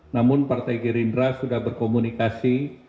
namun partai gerindra sudah berkomunikasi